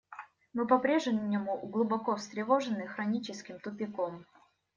Мы по-прежнему глубоко встревожены хроническим тупиком.